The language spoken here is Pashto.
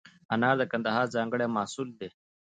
انار د کندهار ځانګړی محصول دی.